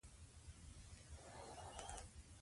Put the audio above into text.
پښتو ژبه به زموږ په ابادۍ کې لویه ونډه ولري.